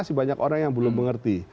masih banyak orang yang belum mengerti